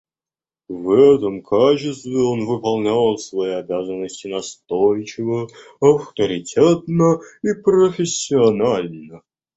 В этом качестве он выполнял свои обязанности настойчиво, авторитетно и профессионально.